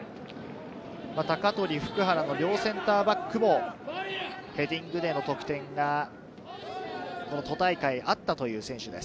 鷹取、普久原の両センターバックもヘディングでの得点が都大会であったという選手です。